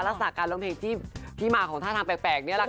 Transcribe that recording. ลักษณะการร้องเพลงที่มาของท่าทางแปลกนี่แหละค่ะ